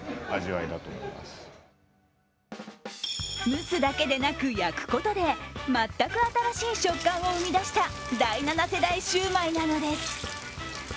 蒸すだけでなく、焼くことで全く新しい食感を生み出した第７世代シュウマイなのです。